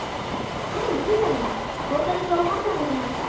あらいいじゃない本当にそう思ったんだから。